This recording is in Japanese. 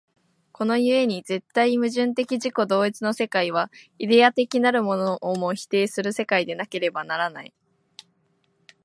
この故に絶対矛盾的自己同一の世界は、イデヤ的なるものをも否定する世界でなければならない。